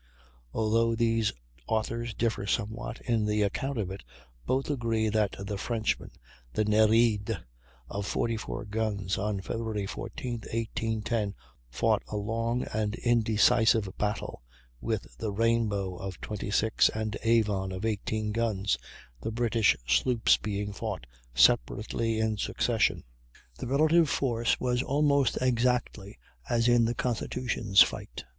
Although these authors differ somewhat in the account of it, both agree that the Frenchman, the Nereide, of 44 guns, on Feb. 14, 1810, fought a long and indecisive battle with the Rainbow of 26 and Avon of 18 guns, the British sloops being fought separately, in succession. The relative force was almost exactly as in the Constitution's fight.